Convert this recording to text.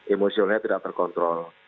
emosionalnya tidak terkontrol